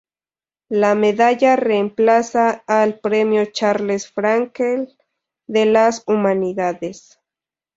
La medalla reemplaza al "Premio Charles Frankel de las humanidades".